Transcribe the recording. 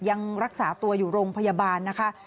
ยังรักษาตัวอยู่โรงพยาบาลนะคะ